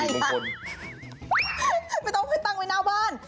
ไม่ต้องไปตั้งไว้หน้าบ้าน